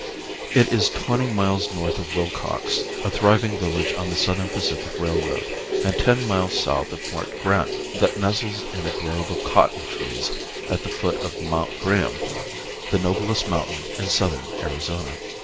It is twenty miles north of Willcox, a thriving village on the Southern Pacific Railroad, and ten miles south of Ft. Grant, that nestles in a grove of cotton trees at the foot of Mt. Graham, the noblest mountain in southern Arizona.